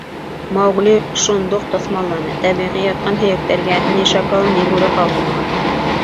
Маугли шундуҡ тоҫмалланы: тәбиғи ятҡан һөйәктәргә ни шакал, ни бүре ҡағылмаған.